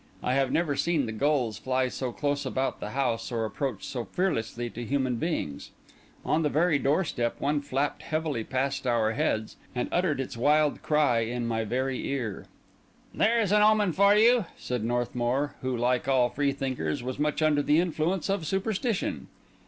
I have never seen the gulls fly so close about the house or approach so fearlessly to human beings. On the very doorstep one flapped heavily past our heads, and uttered its wild cry in my very ear. "There is an omen for you," said Northmour, who like all freethinkers was much under the influence of superstition.